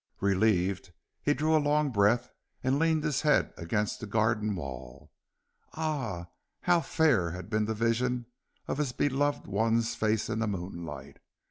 Relieved, he drew a long breath and leaned his head against the garden wall. Ah, how fair had been the vision of his beloved one's face in the moonlight.